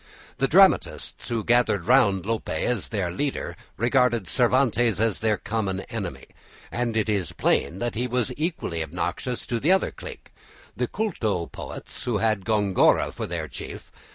The dramatists who gathered round Lope as their leader regarded Cervantes as their common enemy, and it is plain that he was equally obnoxious to the other clique, the culto poets who had Gongora for their chief.